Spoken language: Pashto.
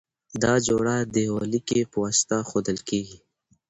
دا جوړه د یوه لیکي په واسطه ښودل کیږی.